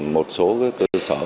một số cơ sở